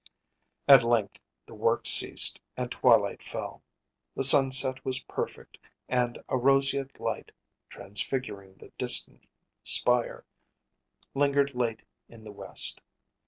At length the work ceased and twilight fell. The sunset was perfect and a roseate light, transfiguring the distant spire, lingered late in the west.